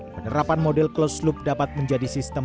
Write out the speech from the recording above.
penerapan model closed look dapat menjadi sistem